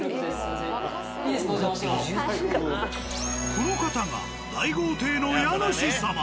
この方が大豪邸の家主様。